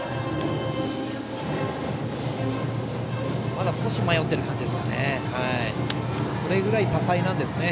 まだ少し迷ってる感じですかね。